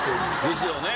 ですよね。